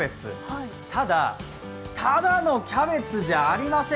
ただ、ただのキャベツじゃありません。